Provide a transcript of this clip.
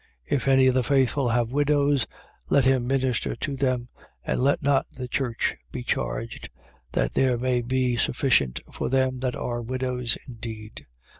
5:16. If any of the faithful have widows, let him minister to them, and let not the church be charged: that there may be sufficient for them that are widows indeed.